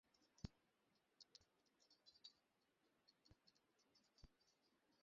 ওখানে শিল্পীদের মধ্যে কাজের বাইরে আন্তরিকতার অভাব আছে বলে মনে হলো।